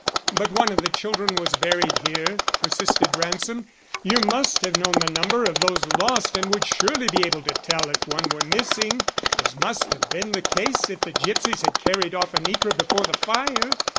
"But one of the children was buried here," persisted Ransom. "You must have known the number of those lost and would surely be able to tell if one were missing, as must have been the case if the gipsies had carried off Anitra before the fire."